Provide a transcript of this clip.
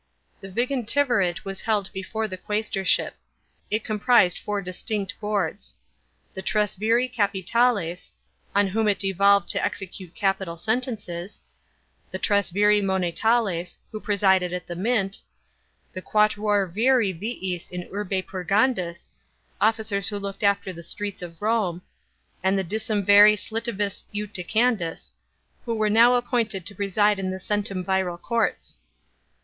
The vigmtivirate was held before the qusestorship. It comprised four distinct boards: the tresviri capitales, on whom it devolved to execute capital sentences ; the tresviri monetales, who presided at the mint ; the quatuorviri mis in urbe purgandis, officers who looked after the streets of Rome ; and the decemviri stlitibus iudicandis, who were now appointed to preside in the centumviral courts.